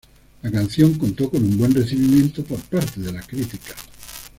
La canción contó con un buen recibimiento por parte de la crítica.